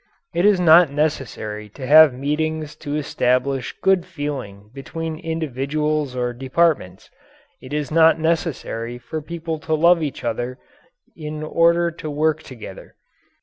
It is not necessary to have meetings to establish good feeling between individuals or departments. It is not necessary for people to love each other in order to work together.